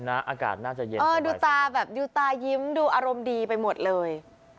อากาศน่าจะเย็นเออดูตาแบบดูตายิ้มดูอารมณ์ดีไปหมดเลย